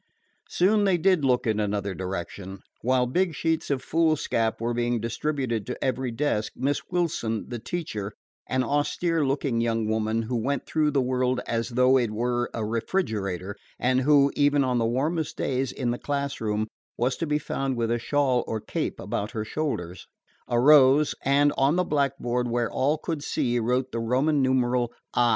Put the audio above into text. Soon they did look in another direction. While big sheets of foolscap were being distributed to every desk, Miss Wilson, the teacher (an austere looking young woman who went through the world as though it were a refrigerator, and who, even on the warmest days in the classroom, was to be found with a shawl or cape about her shoulders), arose, and on the blackboard where all could see wrote the Roman numeral "I."